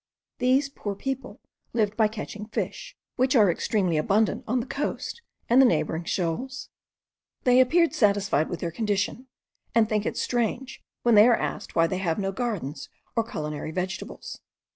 These poor people live by catching fish, which are extremely abundant on the coast and the neighbouring shoals. They appear satisfied with their condition, and think it strange when they are asked why they have no gardens or culinary vegetables.